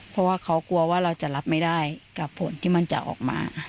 เพราะว่าเขากลัวว่าเราจะรับไม่ได้กับผลที่มันจะออกมา